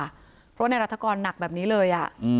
เพราะว่าในรัฐกรหนักแบบนี้เลย